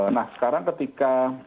nah sekarang ketika